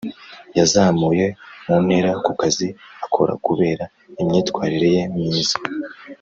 yazamuwe muntera kukazi akora kubera imyitwarire ye myiza